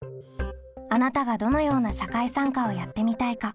あなたがどのような社会参加をやってみたいか。